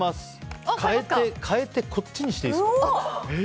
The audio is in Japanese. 変えてこっちにしていいですか。